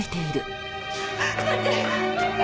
待って！